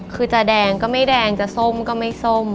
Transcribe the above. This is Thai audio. คือจะแดงก็ไม่แดงจะส้มก็ไม่ส้ม